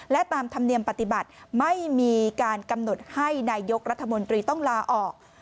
และตามธรรมเนียมปฏิบัติไม่มีการกำหนดให้นายกรัฐมนตรีต้องลาออก